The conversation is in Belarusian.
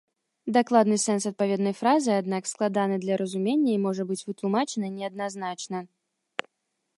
Дакладны сэнс адпаведнай фразы, аднак, складаны для разумення і можа быць вытлумачаны неадназначна.